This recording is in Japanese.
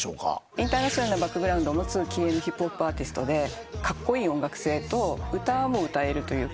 インターナショナルなバックグラウンドを持つ気鋭のヒップホップアーティストでカッコイイ音楽性と歌も歌えるというか。